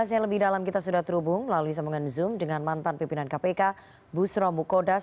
selamat sore mbak ripana assalamualaikum